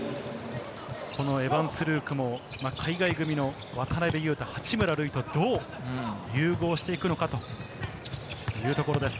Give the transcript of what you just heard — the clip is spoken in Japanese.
エヴァンス・ルークも海外組の渡邊雄太、八村塁とどう融合していくのかというところです。